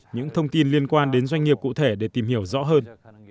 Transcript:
những thông tin liên quan đến doanh nghiệp cụ thể để tìm hiểu rõ hơn